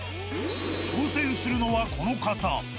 挑戦するのは、この方。